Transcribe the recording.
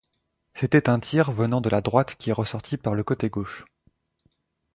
C'était un tir venant de la droite qui est ressorti par le côté gauche.